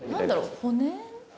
骨？